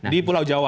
di pulau jawa